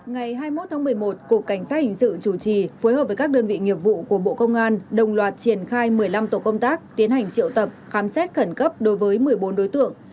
ngày hai mươi một tháng một mươi một cục cảnh sát hình sự chủ trì phối hợp với các đơn vị nghiệp vụ của bộ công an đồng loạt triển khai một mươi năm tổ công tác tiến hành triệu tập khám xét khẩn cấp đối với một mươi bốn đối tượng